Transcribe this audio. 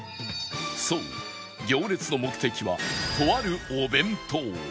そう行列の目的はとあるお弁当